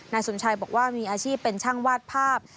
นายสุนชัยบอกว่ามีอาชีพเป็นช่างวาดภาพ